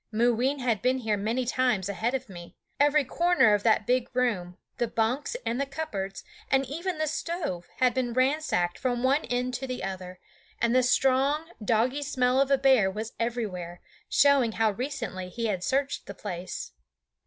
Mooween had been here many times ahead of me. Every corner of the big room, the bunks and the cupboards and even the stove, had been ransacked from one end to the other; and the strong, doggy smell of a bear was everywhere, showing how recently he had searched the place.